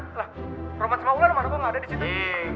rahmat sama ular mah kok gak ada di situ